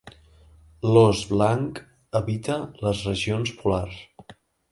L' os blanc habita les regions polars.